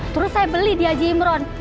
terus saya beli di haji imron